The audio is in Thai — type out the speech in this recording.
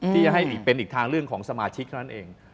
ที่จะให้เป็นอีกทางเรื่องของสมาชิกเท่านั้นเอง